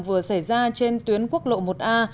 vừa xảy ra trên tuyến quốc lộ một a